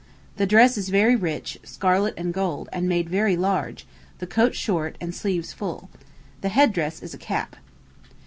The dress is very rich, scarlet and gold, and made very large; the coat short, and sleeves full. The head dress is a cap.